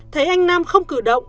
thấy anh nam không cử động